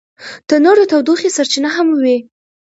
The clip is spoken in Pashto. تنور د تودوخې سرچینه هم وي